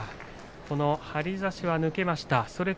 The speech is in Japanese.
張り差しは抜けました。